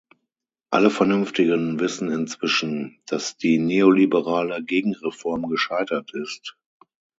Alle Vernünftigen wissen inzwischen, dass die neoliberale Gegenreform gescheitert ist.